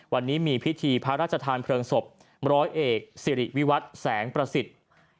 วันนี้มีพิธีพระราชทานเพลิงศพร้อยเอกสิริวิวัตรแสงประสิทธิ์